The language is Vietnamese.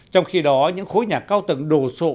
trong khi đó những khối nhà cao tầng đồ sộ